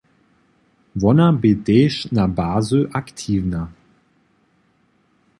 Wona bě tež na bazy aktiwna.